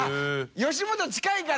吉本近いから。